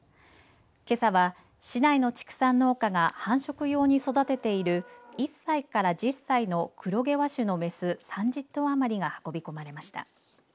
けさは、市内の畜産農家が繁殖用に育てている１歳から１０歳の黒毛和種の雌３０頭余りが運び込まれました。